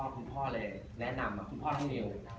คุณพ่อเลยแนะนำคุณพ่อน้องนิว